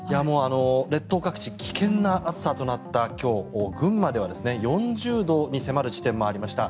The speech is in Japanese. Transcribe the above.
列島各地危険な暑さとなった今日群馬では４０度に迫る地点もありました。